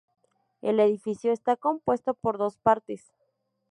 El edificio está compuesto por dos partes.